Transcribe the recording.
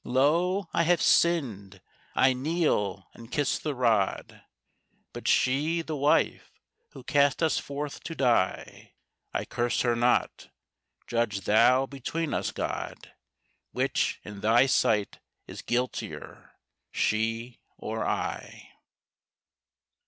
Lo! I have sinned. I kneel and kiss the rod, But she, the wife, who cast us forth to die ... I curse her not! Judge Thou between us, God, Which in Thy sight is guiltier, she or I?